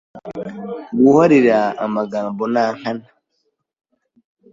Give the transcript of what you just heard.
Guharira magambo Nankana